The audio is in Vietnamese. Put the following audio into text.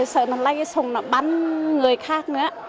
sợ nó lấy cái sùng nó bắn người khác nữa